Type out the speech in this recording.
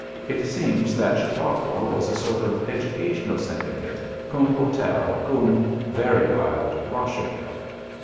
It seemed that Chautauqua was a sort of educational syndicate, cum hotel, cum (very mild) Eosherville.